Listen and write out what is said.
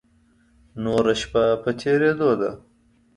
نوره شپه په تېرېدو ده.